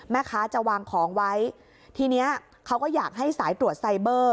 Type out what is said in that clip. แม่ค้าจะวางของไว้ทีเนี้ยเขาก็อยากให้สายตรวจไซเบอร์